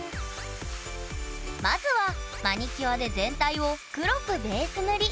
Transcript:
まずはマニキュアで全体を黒くベース塗り。